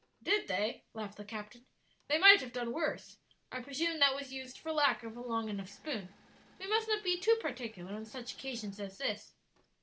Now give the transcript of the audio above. "Did they?" laughed the captain; "they might have done worse. I presume that was used for lack of a long enough spoon. We must not be too particular on such occasions as this."